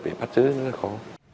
để bắt giữ rất là khó